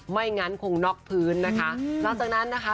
ไม่งั้นคงน็อกพื้นนะคะหลังจากนั้นนะคะ